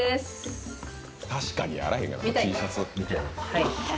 はい